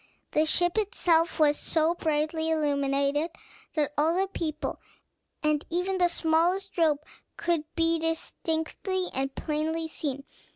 The ship itself was so brightly illuminated that all the people, and even the smallest rope, could be distinctly and plainly seen.